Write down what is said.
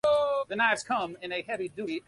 যদি কেউ কিছু করতে আসে দোকানের ভিতরে চলে আসবা।